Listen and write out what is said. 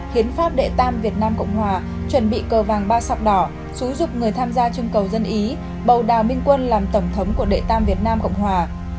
hiến pháp đệ tam việt nam cộng hòa chuẩn bị cờ vàng ba sọc đỏ xúi dục người tham gia chương cầu dân ý bầu đào minh quân làm tổng thống của đệ tam việt nam cộng hòa